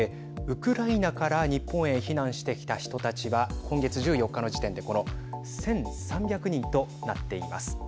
ウクライナから日本へ避難してきた人たちは今月１４日の時点でこの１３００人となっています。